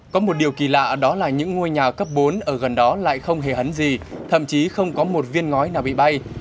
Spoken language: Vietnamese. có một điều kỳ lạ đó là những ngôi nhà cấp bốn ở gần đó lại không hề hấn gì thậm chí không có một viên ngói nào bị bay